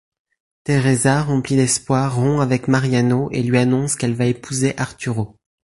Teresa remplie d'espoir rompt avec Mariano et lui annonce qu'elle va épouser Arturo.